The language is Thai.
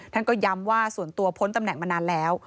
ท่านก็ย้ำว่าส่วนตัวพ้นตำแหน่งมานานแล้ว